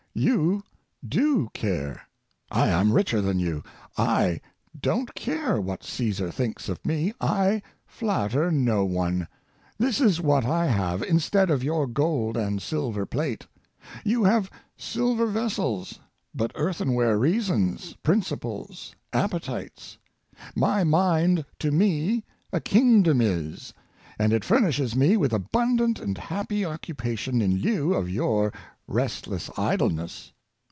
^ You do care. I am richer than you. / don't care what Csesar thinks of me. / flatter no one. This is what I have, instead of your gold and silver plate. You have silver vessels, but earthenware reasons, principles, appe tites. My mind to me a kingdom is, and it furnishes me with abundant and happy occupation in lieu of your restless idleness.